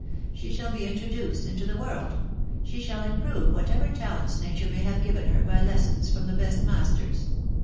... She shall be introduced into the world, .... she shall improve whatever talents nature may have given her by lessons from the best masters